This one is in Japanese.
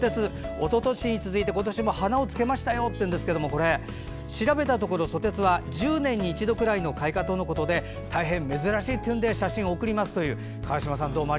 おととしに続いて今年も花をつけましたよというんですが調べたところ、ソテツは１０年に一度ぐらいの開花とのことで大変珍しいというんで写真を送りますということでした。